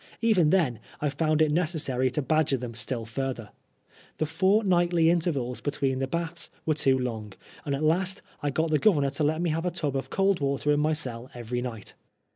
Even then I found it necessary to badger them still further. The fortnightly intervals between the baths were too long, and at last I got the Governor to let me have a tub of cold water in my cell every night.